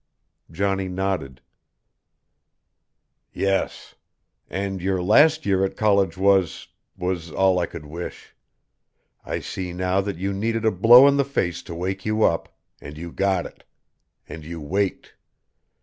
Johnny nodded. "Yes. And your last year at college was was all I could wish. I see now that you needed a blow in the face to wake you up and you got it. And you waked."